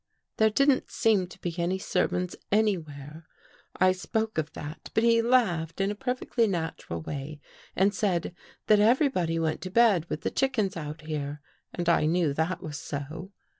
There didn't seem to be any servants anywhere. I spoke of that, but he laughed in a perfectly natural way and said that everybody went to bed with the chickens out here and I knew that was so.